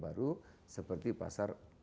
baru seperti pasar